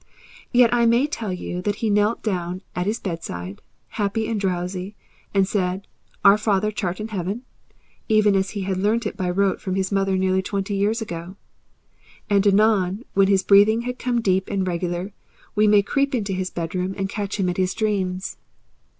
Yet I may tell you that he knelt down at his bedside, happy and drowsy, and said, "Our Father 'chartin' heaven," even as he had learnt it by rote from his mother nearly twenty years ago. And anon when his breathing had become deep and regular, we may creep into his bedroom and catch him at his dreams.